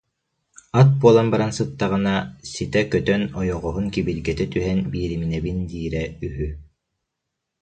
Ат буолан баран сыттаҕына, ситэ көтөн ойоҕоһун кибиргэтэ түһэн биэриминэбин диирэ үһү